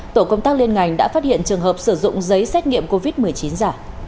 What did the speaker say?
tổ công tác liên ngành đã phát hiện trường hợp sử dụng giấy xét nghiệm covid một mươi chín giả